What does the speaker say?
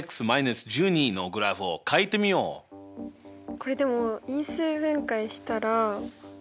これでも因数分解したら。